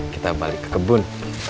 kita balik ke kebun